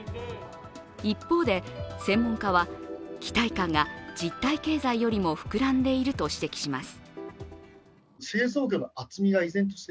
一方で、専門家は期待感が実体経済よりも膨らんでいると指摘します。